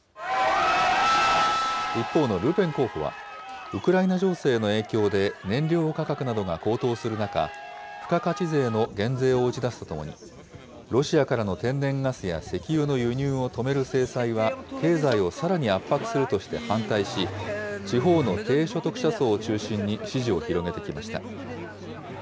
一方のルペン候補は、ウクライナ情勢の影響で燃料価格などが高騰する中、付加価値税の減税を打ち出すとともに、ロシアからの天然ガスや石油の輸入を止める制裁は、経済をさらに圧迫するとして反対し、地方の低所得者層を中心に支持を広げてきました。